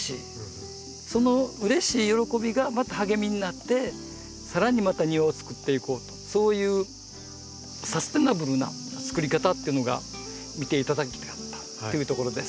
そのうれしい喜びがまた励みになってさらにまた庭をつくっていこうとそういうサステナブルなつくり方っていうのが見ていただきたかったというところです。